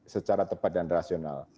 secara tepat dan rasional